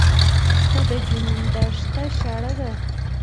خو د جنون دښته شړه ده